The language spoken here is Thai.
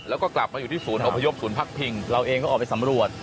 เราอยู่ที่สูญอบภัยยกสูญพักพิงเราเองก็ออกไปสำรวจ